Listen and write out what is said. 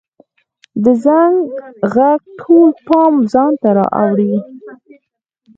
د زنګ ږغ ټول پام ځانته را اړوي.